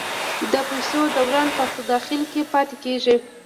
د پیسو دوران په داخل کې پاتې کیږي؟